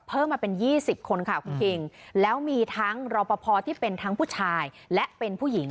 เพิ่มมาเป็น๒๐คนค่ะคุณคิงแล้วมีทั้งรอปภที่เป็นทั้งผู้ชายและเป็นผู้หญิง